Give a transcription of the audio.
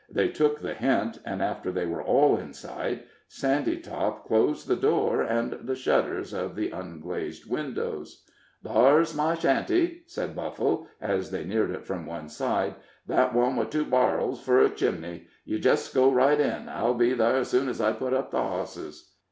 They took the hint, and after they were all inside, Sandytop closed the door and the shutters of the unglazed windows. "Thar's my shanty," said Buffle, as they neared it from one side; "that one with two bar'ls fur a chimley. You jest go right in. I'll be thar ez soon ez I put up the hosses."